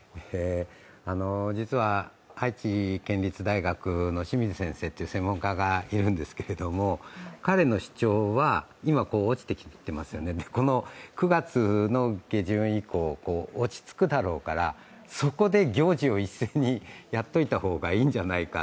実は愛知県立大学のシミズ先生という専門家がいるんですけれども、彼の主張は、今落ちてきていますよね、この９月の下旬以降落ち着くだろうから、そこで行事を一斉にやっておいた方がいいんじゃないか。